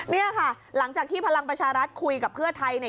เนี่ยค่ะหลังจากที่พลังประชารัฐคุยกับเพื่อไทยเนี่ย